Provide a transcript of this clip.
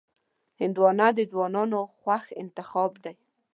هندوانه د ځوانانو خوښ انتخاب دی.